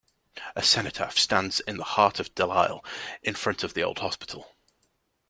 A cenotaph stands in the heart of Delisle in front of the old hospital.